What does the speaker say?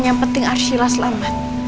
yang penting arshila selamat